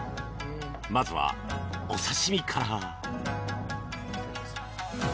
まずは、お刺し身から。